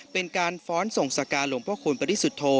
เป็นการฟ้อนสงสการหลวงพระคุณปฤษฎโฑ